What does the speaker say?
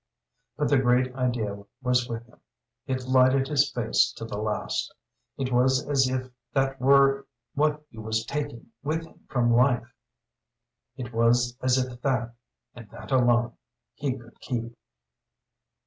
But the great idea was with him. It lighted his face to the last. It was as if that were what he was taking with him from life. It was as if that, and that alone, he could keep.